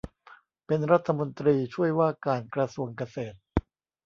เป็นรัฐมนตรีช่วยว่าการกระทรวงเกษตร